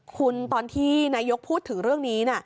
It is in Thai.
คุณตอนที่นายกพูดถึงเรื่องนี้นะ